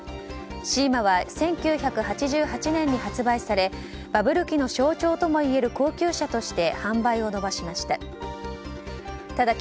シーマは１９８８年に発売されバブル期の象徴ともいえる高級車として販売を伸ばしました。